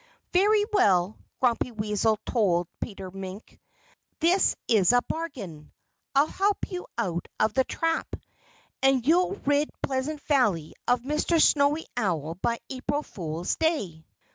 "Very well!" Grumpy Weasel told Peter Mink. "This is a bargain. I'll help you out of the trap. And you'll rid Pleasant Valley of Mr. Snowy Owl by April Fool's Day."